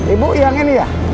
ibu yang ini ya